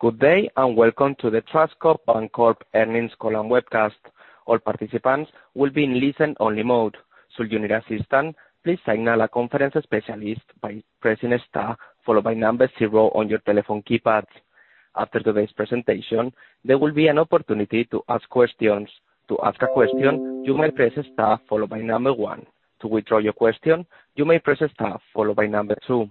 Good day, and welcome to the TrustCo Bank Corp Earnings Call and Webcast. All participants will be in listen-only mode. Should you need assistance, please signal a conference specialist by pressing star followed by 0 on your telephone keypads. After today's presentation, there will be an opportunity to ask questions. To ask a question, you may press star followed by 1. To withdraw your question, you may press star followed by 2.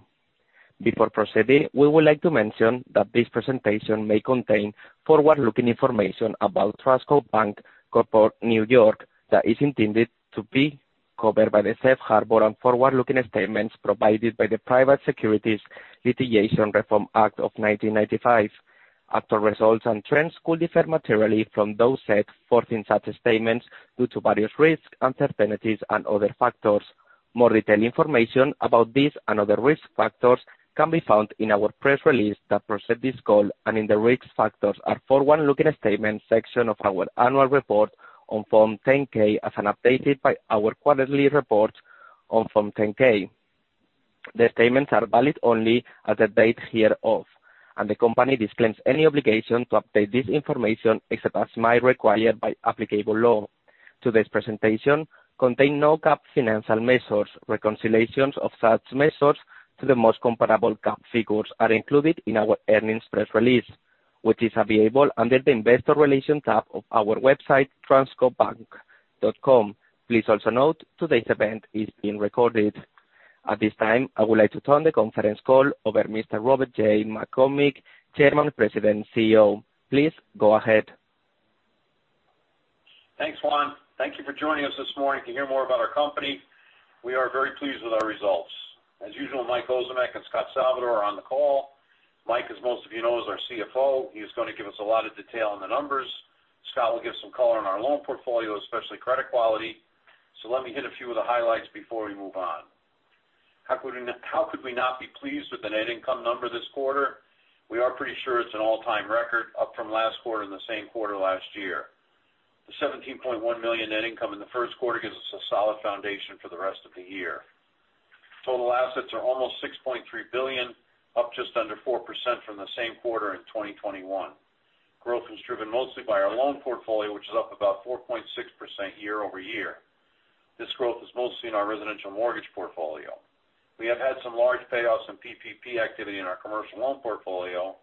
Before proceeding, we would like to mention that this presentation may contain forward-looking information about TrustCo Bank Corp New York that is intended to be covered by the safe harbor on forward-looking statements provided by the Private Securities Litigation Reform Act of 1995. Actual results and trends could differ materially from those set forth in such statements due to various risks, uncertainties, and other factors. More detailed information about these and other risk factors can be found in our press release that precedes this call and in the Risk Factors and Forward-Looking Statements section of our annual report on Form 10-K as updated by our quarterly reports on Form 10-Q. The statements are valid only as of the date hereof, and the company disclaims any obligation to update this information except as may be required by applicable law. Today's presentation contains non-GAAP financial measures. Reconciliations of such measures to the most comparable GAAP figures are included in our earnings press release, which is available under the Investor Relations tab of our website, trustcobank.com. Please also note today's event is being recorded. At this time, I would like to turn the conference call over to Mr. Robert J. McCormick, Chairman, President, CEO. Please go ahead. Thanks, Juan. Thank you for joining us this morning to hear more about our company. We are very pleased with our results. As usual, Michael Ozimek and Scot Salvador are on the call. Mike, as most of you know, is our CFO. He's gonna give us a lot of detail on the numbers. Scot will give some color on our loan portfolio, especially credit quality. Let me hit a few of the highlights before we move on. How could we not be pleased with the net income number this quarter? We are pretty sure it's an all-time record, up from last quarter and the same quarter last year. The $17.1 million net income in the first quarter gives us a solid foundation for the rest of the year. Total assets are almost $6.3 billion, up just under 4% from the same quarter in 2021. Growth was driven mostly by our loan portfolio, which is up about 4.6% year-over-year. This growth is mostly in our residential mortgage portfolio. We have had some large payoffs in PPP activity in our commercial loan portfolio,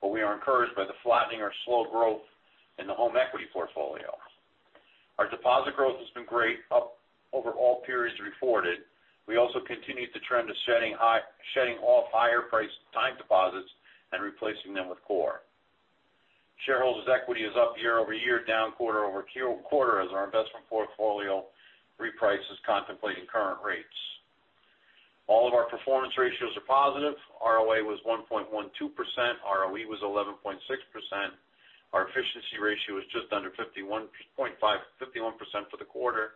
but we are encouraged by the flattening or slow growth in the home equity portfolio. Our deposit growth has been great, up over all periods reported. We also continued the trend of shedding off higher price time deposits and replacing them with core. Shareholders' equity is up year-over-year, down quarter-over-quarter as our investment portfolio reprices contemplating current rates. All of our performance ratios are positive. ROA was 1.12%. ROE was 11.6%. Our efficiency ratio was just under 51.5, 51% for the quarter.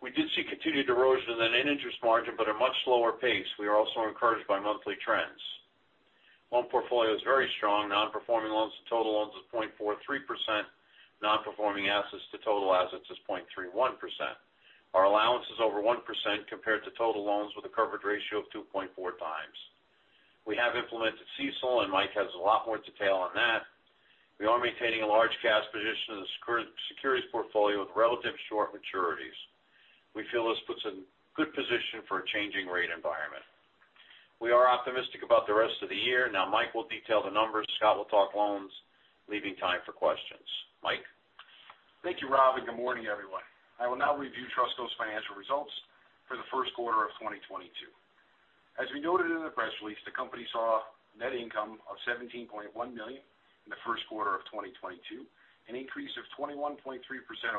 We did see continued erosion in the net interest margin, but at a much slower pace. We are also encouraged by monthly trends. Loan portfolio is very strong. Non-performing loans to total loans is 0.43%. Non-performing assets to total assets is 0.31%. Our allowance is over 1% compared to total loans with a coverage ratio of 2.4 times. We have implemented CECL, and Mike has a lot more detail on that. We are maintaining a large cash position in the securities portfolio with relatively short maturities. We feel this puts us in good position for a changing rate environment. We are optimistic about the rest of the year. Now Mike will detail the numbers. Scot will talk loans, leaving time for questions. Michael? Thank you, Rob, and good morning, everyone. I will now review TrustCo's Financial results for the first quarter of 2022. As we noted in the press release, the company saw net income of $17.1 million in the first quarter of 2022, an increase of 21.3%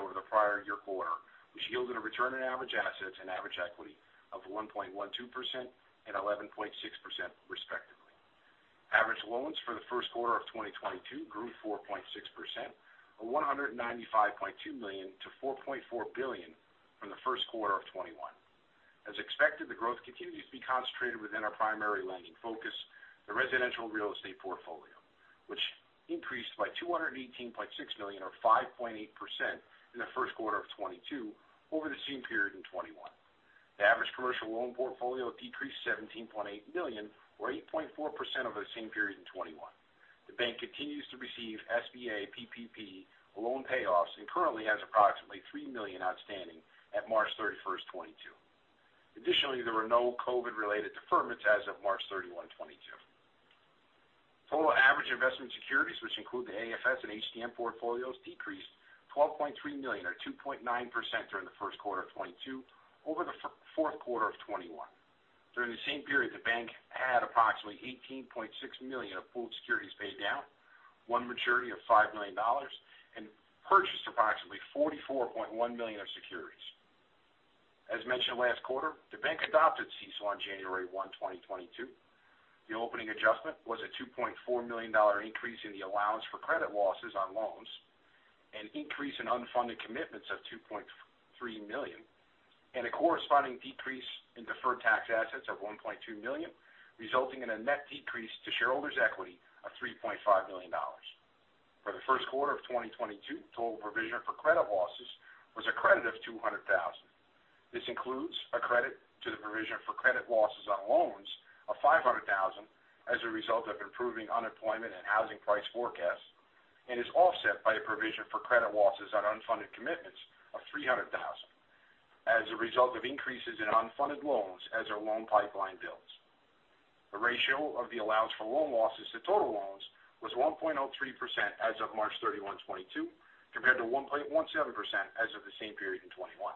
over the prior year quarter, which yielded a return on average assets and average equity of 1.12% and 11.6%, respectively. Average loans for the first quarter of 2022 grew 4.6% or $195.2 million to $4.4 billion from the first quarter of 2021. As expected, the growth continues to be concentrated within our primary lending focus, the residential real estate portfolio, which increased by $218.6 million or 5.8% in the first quarter of 2022 over the same period in 2021. The average commercial loan portfolio decreased $17.8 million or 8.4% over the same period in 2021. The bank continues to receive SBA PPP loan payoffs and currently has approximately $3 million outstanding at March 31, 2022. Additionally, there were no COVID-related deferments as of March 31, 2022. Total average investment securities, which include the AFS and HTM portfolios, decreased $12.3 million or 2.9% during the first quarter of 2022 over the fourth quarter of 2021. During the same period, the bank had approximately $18.6 million of pooled securities paid down, one maturity of $5 million, and purchased approximately $44.1 million of securities. As mentioned last quarter, the bank adopted CECL on January 1, 2022. The opening adjustment was a $2.4 million increase in the allowance for credit losses on loans, an increase in unfunded commitments of $2.3 million, and a corresponding decrease in deferred tax assets of $1.2 million, resulting in a net decrease to shareholders' equity of $3.5 million. The first quarter of 2022, total provision for credit losses was a credit of $200,000. This includes a credit to the provision for credit losses on loans of $500 thousand as a result of improving unemployment and housing price forecasts, and is offset by a provision for credit losses on unfunded commitments of $300 thousand as a result of increases in unfunded loans as our loan pipeline builds. The ratio of the allowance for loan losses to total loans was 1.03% as of March 31, 2022, compared to 1.17% as of the same period in 2021.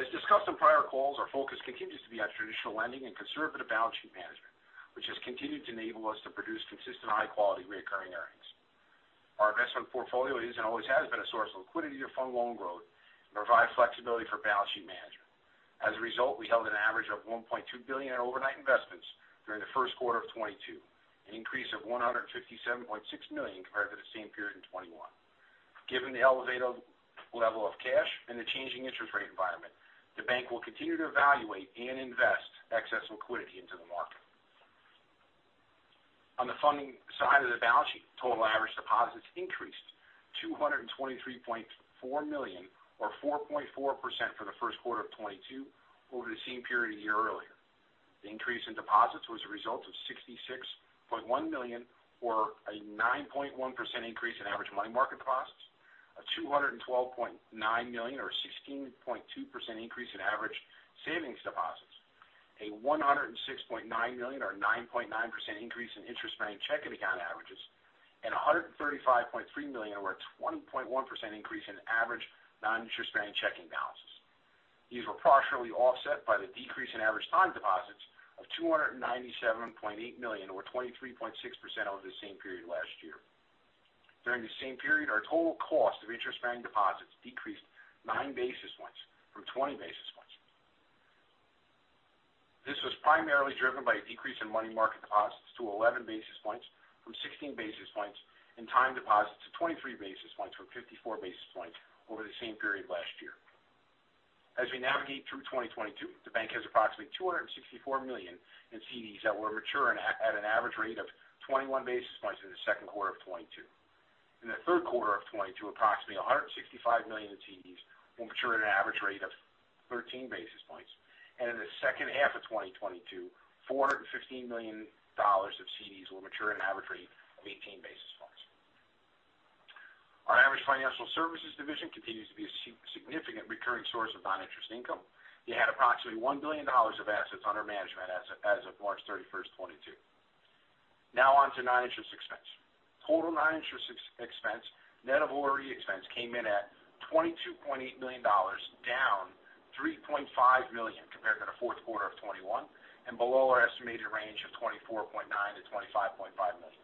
As discussed on prior calls, our focus continues to be on traditional lending and conservative balance sheet management, which has continued to enable us to produce consistent high quality recurring earnings. Our investment portfolio is and always has been a source of liquidity to fund loan growth and provide flexibility for balance sheet management. As a result, we held an average of $1.2 billion in overnight investments during the first quarter of 2022, an increase of $157.6 million compared to the same period in 2021. Given the elevated level of cash and the changing interest rate environment, the bank will continue to evaluate and invest excess liquidity into the market. On the funding side of the balance sheet, total average deposits increased $223.4 million or 4.4% for the first quarter of 2022 over the same period a year earlier. The increase in deposits was a result of $66.1 million, or a 9.1% increase in average money market accounts, a $212.9 million or 16.2% increase in average savings deposits, a $106.9 million or 9.9% increase in interest-bearing checking account averages, and a $135.3 million or a 20.1% increase in average non-interest-bearing checking balances. These were partially offset by the decrease in average time deposits of $297.8 million or 23.6% over the same period last year. During the same period, our total cost of interest-bearing deposits decreased nine basis points from twenty basis points. This was primarily driven by a decrease in money market deposits to 11 basis points from 16 basis points, and time deposits to 23 basis points from 54 basis points over the same period last year. As we navigate through 2022, the bank has approximately $264 million in CDs that will mature at an average rate of 21 basis points in the second quarter of 2022. In the third quarter of 2022, approximately $165 million in CDs will mature at an average rate of 13 basis points. In the second half of 2022, $415 million of CDs will mature at an average rate of 18 basis points. Our average financial services division continues to be a significant recurring source of non-interest income. We had approximately $1 billion of assets under management as of March 31, 2022. Now on to non-interest expense. Total non-interest expense, net of ORE expense came in at $22.8 million, down $3.5 million compared to the fourth quarter of 2021 and below our estimated range of $24.9 million-$25.5 million.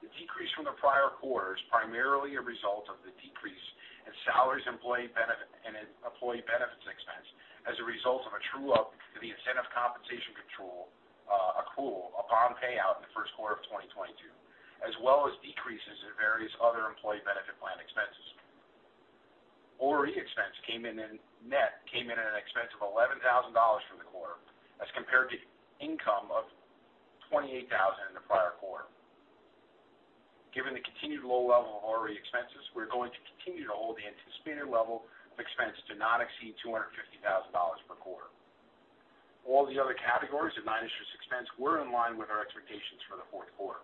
The decrease from the prior quarter is primarily a result of the decrease in salaries, employee benefits expense as a result of a true-up to the incentive compensation control accrual upon payout in the first quarter of 2022, as well as decreases in various other employee benefit plan expenses. ORE expense net came in at an expense of $11,000 for the quarter as compared to income of $28,000 in the prior quarter. Given the continued low level of ORE expenses, we're going to continue to hold the anticipated level of expense to not exceed $250,000 per quarter. All the other categories of non-interest expense were in line with our expectations for the fourth quarter.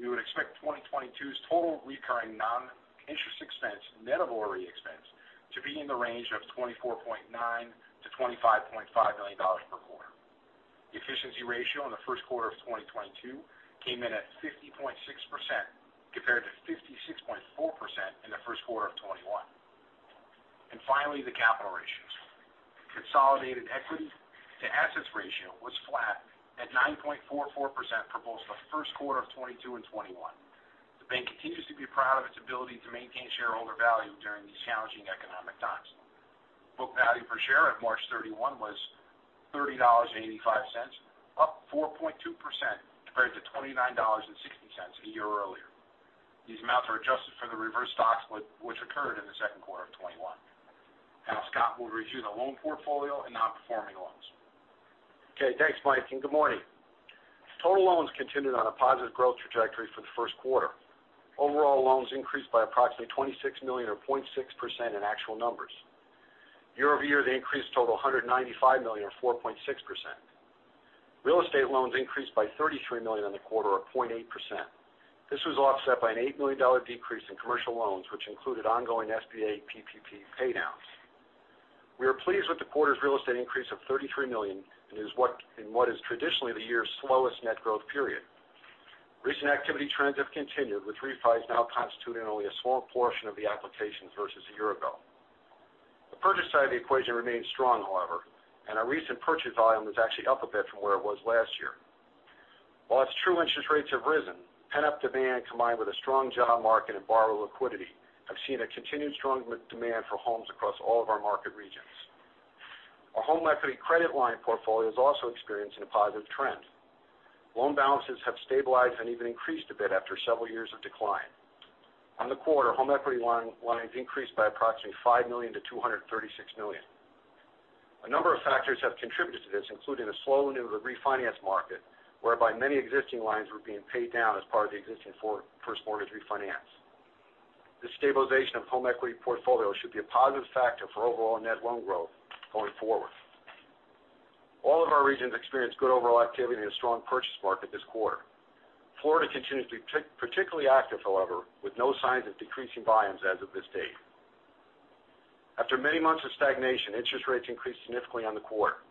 We would expect 2022's total recurring non-interest expense, net of ORE expense, to be in the range of $24.9 million-$25.5 million per quarter. The efficiency ratio in the first quarter of 2022 came in at 50.6%, compared to 56.4% in the first quarter of 2021. Finally, the capital ratios. Consolidated equity to assets ratio was flat at 9.44% for both the first quarter of 2022 and 2021. The bank continues to be proud of its ability to maintain shareholder value during these challenging economic times. Book value per share at March 31 was $30.85, up 4.2% compared to $29.60 a year earlier. These amounts are adjusted for the reverse stock split which occurred in the second quarter of 2021. Now Scot Salvador will review the loan portfolio and non-performing loans. Okay, thanks, Mike, and good morning. Total loans continued on a positive growth trajectory for the first quarter. Overall loans increased by approximately $26 million or 0.6% in actual numbers. Year-over-year, the increase totaled $195 million or 4.6%. Real estate loans increased by $33 million in the quarter or 0.8%. This was offset by an $8 million decrease in commercial loans, which included ongoing SBA PPP paydowns. We are pleased with the quarter's real estate increase of $33 million in what is traditionally the year's slowest net growth period. Recent activity trends have continued, with refis now constituting only a small portion of the applications versus a year ago. The purchase side of the equation remains strong, however, and our recent purchase volume was actually up a bit from where it was last year. While it's true interest rates have risen, pent-up demand, combined with a strong job market and borrower liquidity, have seen a continued strong demand for homes across all of our market regions. Our home equity credit line portfolio is also experiencing a positive trend. Loan balances have stabilized and even increased a bit after several years of decline. In the quarter, home equity lines increased by approximately $5 million to $236 million. A number of factors have contributed to this, including a slowing new refinance market, whereby many existing lines were being paid down as part of the existing first mortgage refinance. The stabilization of home equity portfolio should be a positive factor for overall net loan growth going forward. All of our regions experienced good overall activity in a strong purchase market this quarter. Florida continues to be particularly active, however, with no signs of decreasing volumes as of this date. After many months of stagnation, interest rates increased significantly on the quarter.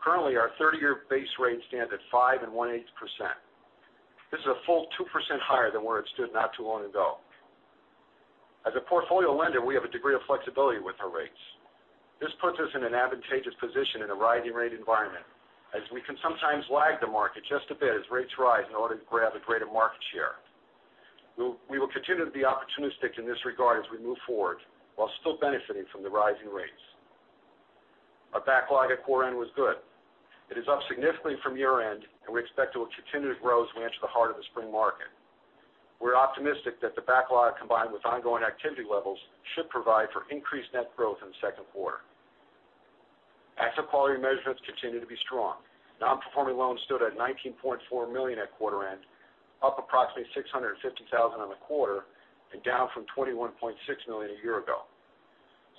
Currently, our 30-year base rate stands at 5.18%. This is a full 2% higher than where it stood not too long ago. As a portfolio lender, we have a degree of flexibility with our rates. This puts us in an advantageous position in a rising rate environment, as we can sometimes lag the market just a bit as rates rise in order to grab a greater market share. We will continue to be opportunistic in this regard as we move forward, while still benefiting from the rising rates. Our backlog at quarter end was good. It is up significantly from year-end, and we expect it will continue to grow as we enter the heart of the spring market. We're optimistic that the backlog, combined with ongoing activity levels, should provide for increased net growth in the second quarter. Asset quality measurements continue to be strong. Non-performing loans stood at $19.4 million at quarter end, up approximately $650 thousand on the quarter and down from $21.6 million a year ago.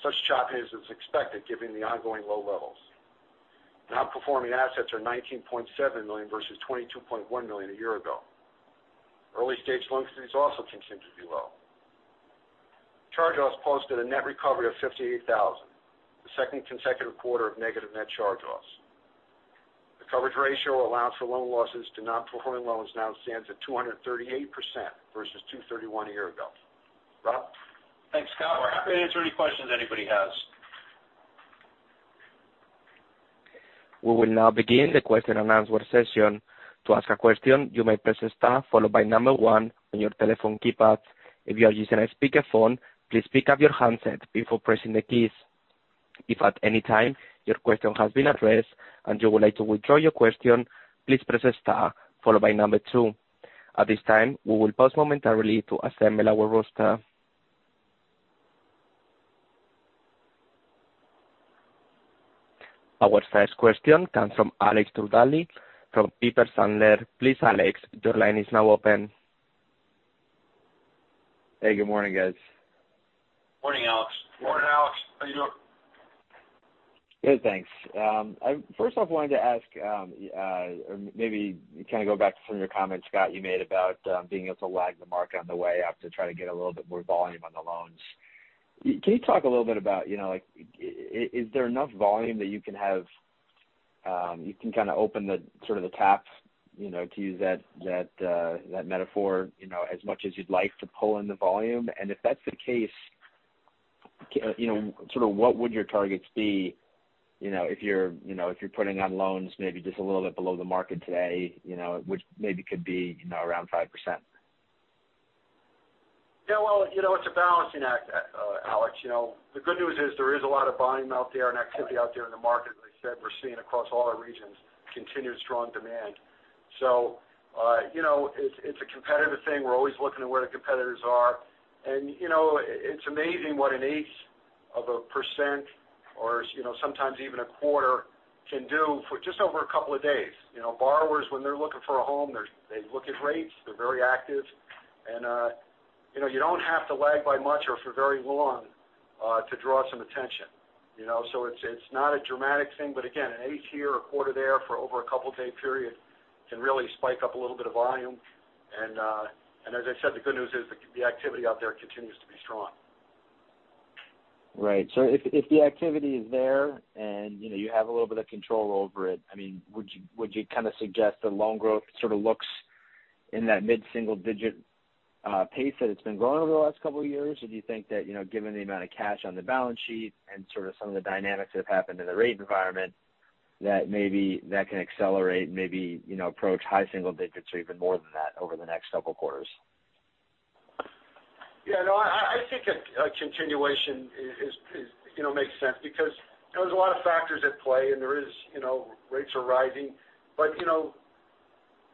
Such chop is as expected given the ongoing low levels. Non-performing assets are $19.7 million versus $22.1 million a year ago. Early stage delinquencies also continue to be low. Charge-offs posted a net recovery of $58 thousand, the second consecutive quarter of negative net charge-offs. The coverage ratio allowance for loan losses to non-performing loans now stands at 238% versus 231% a year ago. Rob? Thanks, Scot. We're happy to answer any questions anybody has. We will now begin the question and answer session. To ask a question, you may press star followed by number one on your telephone keypad. If you are using a speaker phone, please pick up your handset before pressing the keys. If at any time your question has been addressed, and you would like to withdraw your question, please press star followed by number two. At this time, we will pause momentarily to assemble our roster. Our first question comes from Alex Twerdahl from Piper Sandler. Please, Alex, your line is now open. Hey, good morning, guys. Morning, Alex. How you doing? Good, thanks. I first off wanted to ask, or maybe kind of go back to some of your comments, Scot, you made about being able to lag the market on the way up to try to get a little bit more volume on the loans. Can you talk a little bit about, you know, like, is there enough volume that you can have, you can kind open the sort of the tap, you know, to use that metaphor, you know, as much as you'd like to pull in the volume? If that's the case, you know, sort of what would your targets be, you know, if you're, you know, if you're putting on loans maybe just a little bit below the market today, you know, which maybe could be, you know, around 5%? Yeah, well, you know, it's a balancing act, Alex. You know, the good news is there is a lot of volume out there and activity out there in the market. As I said, we're seeing across all our regions continued strong demand. You know, it's a competitive thing. We're always looking at where the competitors are. You know, it's amazing what an eighth of a % or, you know, sometimes even a quarter can do for just over a couple of days. You know, borrowers, when they're looking for a home, they look at rates, they're very active. You know, you don't have to lag by much or for very long to draw some attention, you know? It's not a dramatic thing, but again, an eighth here, a quarter there for over a couple day period can really spike up a little bit of volume. As I said, the good news is the activity out there continues to be strong. Right. If the activity is there and, you know, you have a little bit of control over it, I mean, would you kinda suggest the loan growth sorta looks in that mid-single digit pace that it's been growing over the last couple of years? Or do you think that, you know, given the amount of cash on the balance sheet and sorta some of the dynamics that have happened in the rate environment, that maybe that can accelerate, maybe, you know, approach high single digits or even more than that over the next couple of quarters? Yeah, no, I think a continuation is, you know, makes sense because, you know, there's a lot of factors at play and, you know, rates are rising. You know,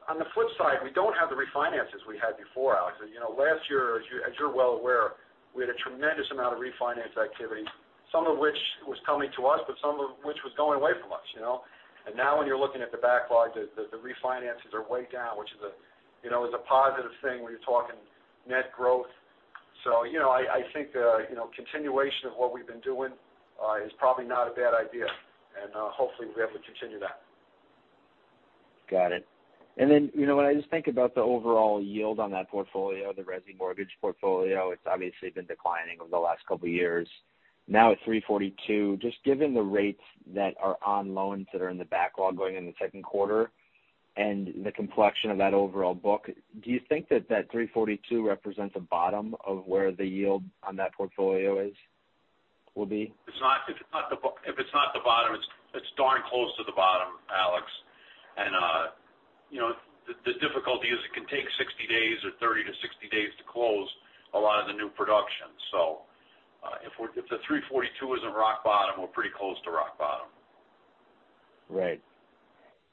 on the flip side, we don't have the refinances we had before, Alex. You know, last year, as you're well aware, we had a tremendous amount of refinance activity, some of which was coming to us, but some of which was going away from us, you know. Now when you're looking at the backlog, the refinances are way down, which is a positive thing when you're talking net growth. You know, I think continuation of what we've been doing is probably not a bad idea, and hopefully we'll be able to continue that. Got it. Then, you know, when I just think about the overall yield on that portfolio, the resi mortgage portfolio, it's obviously been declining over the last couple of years. Now at 3.42%, just given the rates that are on loans that are in the backlog going in the second quarter and the complexion of that overall book, do you think that that 3.42% represents a bottom of where the yield on that portfolio is, will be? It's not. If it's not the bottom, it's darn close to the bottom, Alex. The difficulty is it can take 60 days or 30-60 days to close a lot of the new production. If the 342 isn't rock bottom, we're pretty close to rock bottom. Right.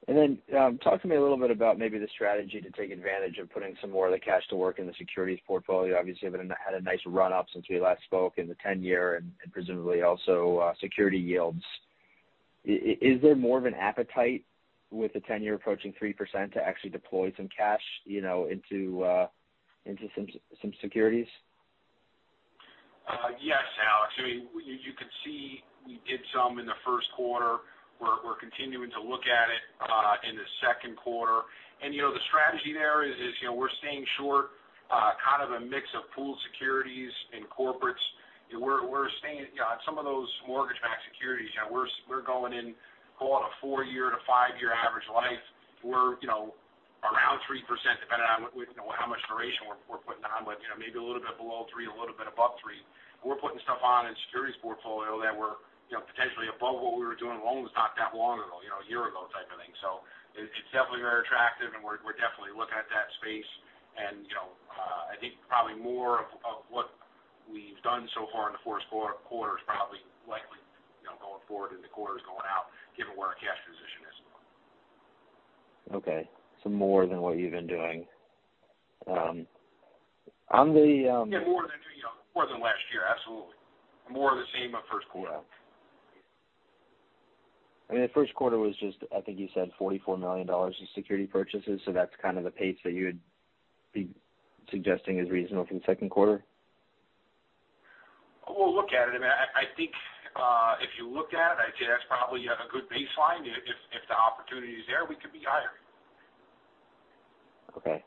Talk to me a little bit about maybe the strategy to take advantage of putting some more of the cash to work in the securities portfolio. Obviously, you had a nice run up since we last spoke in the 10-year and presumably also securities yields. Is there more of an appetite with the 10-year approaching 3% to actually deploy some cash, you know, into some securities? Yes, Alex. I mean, you could see we did some in the first quarter. We're continuing to look at it in the second quarter. You know, the strategy there is, you know, we're staying short, kind of a mix of pooled securities and corporates. We're staying, you know, on some of those mortgage-backed securities. You know, we're going in, call it a 4-year to 5-year average life. We're, you know, around 3% depending on with, you know, how much duration we're putting on. You know, maybe a little bit below 3, a little bit above 3. We're putting stuff on in securities portfolio that we're, you know, potentially above what we were doing loans not that long ago, you know, a year ago type of thing. It's definitely very attractive, and we're definitely looking at that space. You know, I think probably more of what we've done so far in the first quarter is probably likely, you know, going forward in the quarters going out given where our cash position is. Okay. More than what you've been doing. Yeah, more than, you know, more than last year. Absolutely. More of the same first quarter. I mean, the first quarter was just I think you said $44 million in security purchases. So that's kind of the pace that you would be suggesting is reasonable for the second quarter? We'll look at it. I mean, I think, if you looked at it, I'd say that's probably a good baseline. If the opportunity is there, we could be higher. Okay.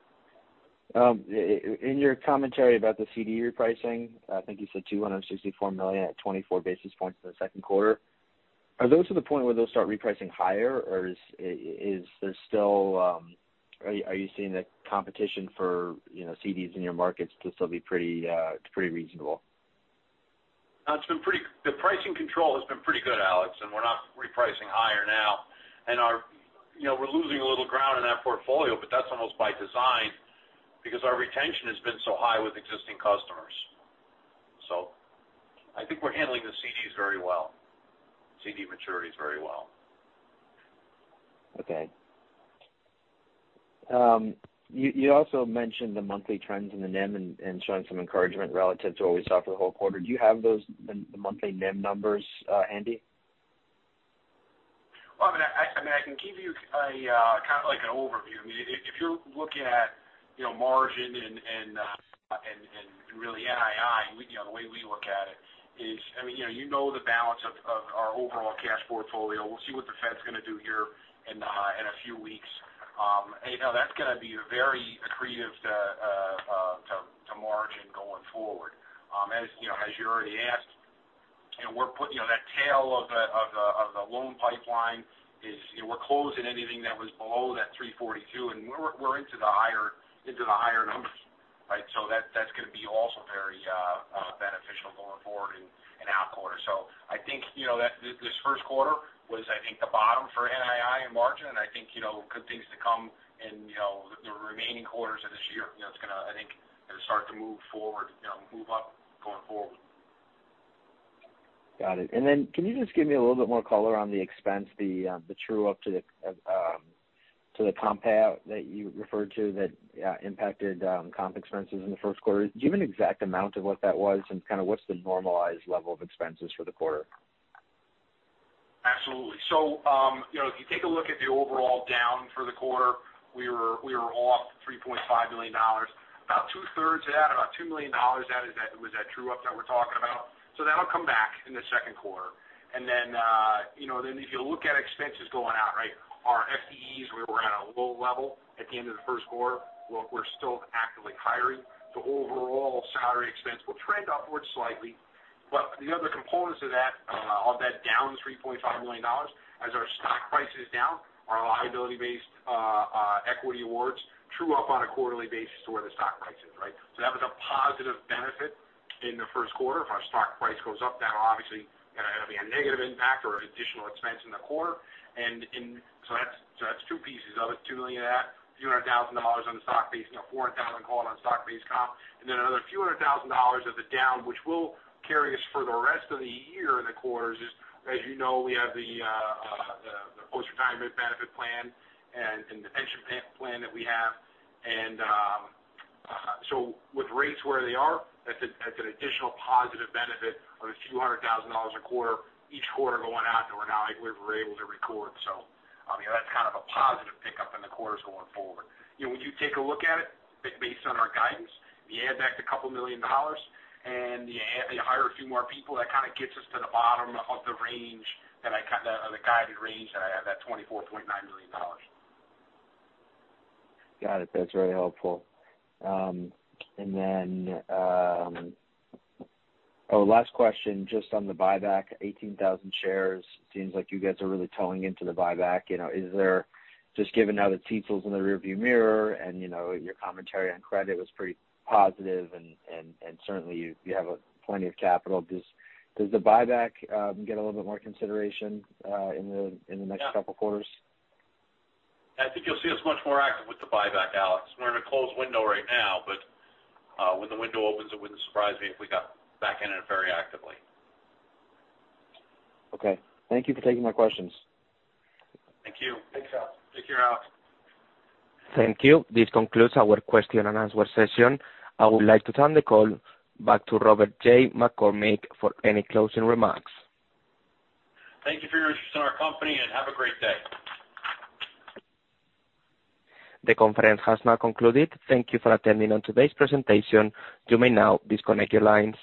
In your commentary about the CD repricing, I think you said $264 million at 24 basis points in the second quarter. Are those to the point where they'll start repricing higher or is there still are you seeing the competition for, you know, CDs in your markets to still be pretty reasonable? The pricing control has been pretty good, Alex, and we're not repricing higher now. Our, you know, we're losing a little ground in that portfolio, but that's almost by design because our retention has been so high with existing customers. I think we're handling the CDs very well, CD maturities very well. Okay. You also mentioned the monthly trends in the NIM and showing some encouragement relative to what we saw for the whole quarter. Do you have those, the monthly NIM numbers, handy? Well, I mean, I can give you a kind of like an overview. I mean, if you're looking at, you know, margin and really NII, we, you know, the way we look at it is, I mean, you know the balance of our overall cash portfolio. We'll see what the Fed's gonna do here in a few weeks. You know, that's gonna be very accretive to margin going forward. As you know, as you already asked, you know, that tail of the loan pipeline is, you know, we're closing anything that was below that 3.42, and we're into the higher numbers, right? That's gonna be also very beneficial going forward in our quarter. I think you know that this first quarter was I think the bottom for NII and margin. I think you know good things to come in you know the remaining quarters of this year. You know it's gonna I think going to start to move forward you know move up going forward. Can you just give me a little bit more color on the expense, the true up to the comp that you referred to that impacted comp expenses in the first quarter? Do you have an exact amount of what that was and kind of what's the normalized level of expenses for the quarter? Absolutely. You know, if you take a look at the overall down for the quarter, we were off $3.5 million. About two thirds of that, about $2 million out of that was that true up that we're talking about. That'll come back in the second quarter. You know, if you look at expenses going out, right, our FTEs, we were at a low level at the end of the first quarter. We're still actively hiring. Overall salary expense will trend upwards slightly. The other components of that, of that down $3.5 million, as our stock price is down, our liability based equity awards true up on a quarterly basis to where the stock price is, right? That was a positive benefit in the first quarter. If our stock price goes up, that'll obviously gonna have a negative impact or additional expense in the quarter. That's two pieces of it. $2 million, a few hundred thousand dollars on the stock-based, you know, $400,000 call it on stock-based comp. Another few hundred thousand dollars on the downside, which will carry us for the rest of the year in the quarters. As you know, we have the post-retirement benefit plan and the pension plan that we have. With rates where they are, that's an additional positive benefit of a few hundred thousand dollars a quarter each quarter going out that we're now able to record. I mean, that's kind of a positive pickup in the quarters going forward. You know, when you take a look at it based on our guidance, you add back $2 million and you hire a few more people, that kind of gets us to the bottom of the range, the guided range that I have, $24.9 million. Got it. That's very helpful. Last question. Just on the buyback, 18,000 shares. Seems like you guys are really toeing into the buyback. You know, is there just given how the CECL in the rear view mirror and, you know, your commentary on credit was pretty positive and certainly you have plenty of capital. Does the buyback get a little bit more consideration in the next couple quarters? Yeah. I think you'll see us much more active with the buyback, Alex. We're in a closed window right now, but when the window opens, it wouldn't surprise me if we got back in it very actively. Okay. Thank you for taking my questions. Thank you. Thanks, Alex. Take care, Alex. Thank you. This concludes our question and answer session. I would like to turn the call back to Robert J. McCormick for any closing remarks. Thank you for your interest in our company, and have a great day. The conference has now concluded. Thank you for attending today's presentation. You may now disconnect your lines.